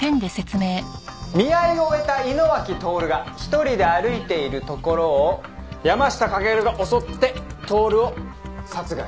見合いを終えた井野脇透が１人で歩いているところを山下駆が襲って透を殺害。